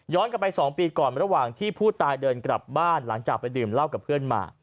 กลับไป๒ปีก่อนระหว่างที่ผู้ตายเดินกลับบ้านหลังจากไปดื่มเหล้ากับเพื่อนมา